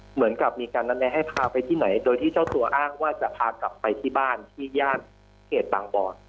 เหมือนกับมีการนัดแนะให้พาไปที่ไหนโดยที่เจ้าตัวอ้างว่าจะพากลับไปที่บ้านที่ย่านเขตบางบอน